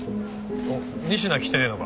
仁科来てねえのか？